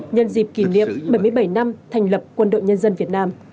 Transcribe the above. nhân dịp kỷ niệm bảy mươi bảy năm thành lập quân đội nhân dân việt nam